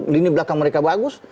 lini belakang mereka bagus